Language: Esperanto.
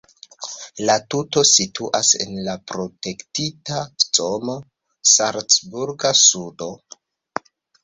La tuto situas en la protektita zono "Salcburga sudo".